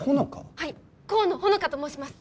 はい河野穂乃果と申します